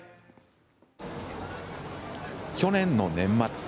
去年の年末。